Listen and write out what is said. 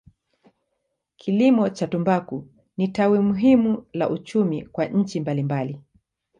Kilimo cha tumbaku ni tawi muhimu la uchumi kwa nchi mbalimbali.